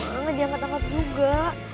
emangnya diangkat angkat juga